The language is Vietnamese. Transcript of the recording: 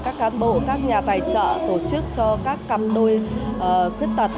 các cán bộ các nhà tài trợ tổ chức cho các cặp đôi khuyết tật